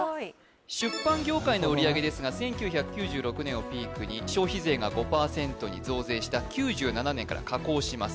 出版業界の売り上げですが１９９６年をピークに消費税が５％に増税した９７年から下降します